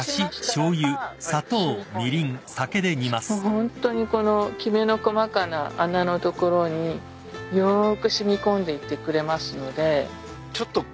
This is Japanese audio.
ホントにこのきめの細かな穴の所によく染み込んでいってくれますので。